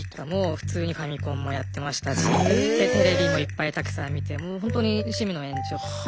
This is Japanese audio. もう普通にファミコンもやってましたしテレビもいっぱいたくさん見てもうほんとに趣味の延長。